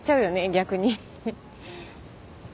逆に。